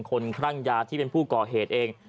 คลั่งยาที่เป็นผู้ก่อเหตุเอง